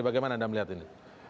bagaimana anda melihat ini